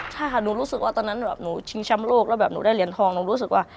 ใช่ค่ะหนูรู้สึกว่าตอนนั้นแบบหนูชิงแชมป์โลกแล้วแบบหนูได้เหรียญทองหนูรู้สึกว่า